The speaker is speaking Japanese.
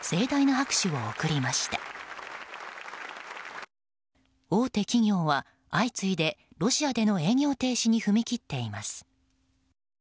大手企業は相次いで、ロシアでの営業停止に踏み切っています。